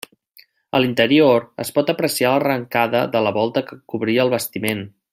A l'interior es pot apreciar l'arrencada de la volta que cobria el bastiment.